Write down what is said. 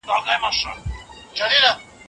انا خپل لمونځ په ارامۍ سره وکړ.